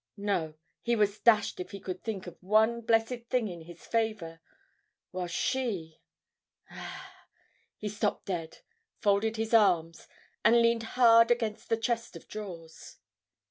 No, he was dashed if he could think of one blessed thing in his favour, while she.... Ah!... He stopped dead, folded his arms, and leaned hard against the chest of drawers.